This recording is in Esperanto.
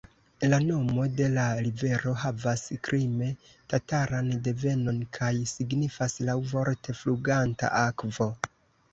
La nomo de la rivero havas krime-tataran devenon kaj signifas laŭvorte "fluganta akvo".